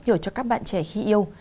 giờ cho các bạn trẻ khi yêu